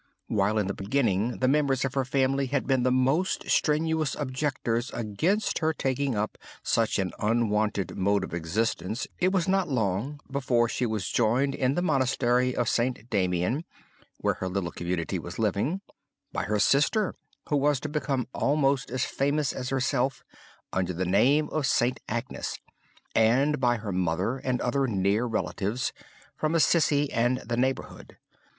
While in the beginning the members of her family had been the most strenuous objectors against her taking up such an unwonted mode of existence it was not long before she was joined in the monastery of St. Damian where her little community was living, by her sister who was to become almost as famous as herself under the name of St. Agnes, and by her mother and other near relatives, from Assisi and the neighborhood.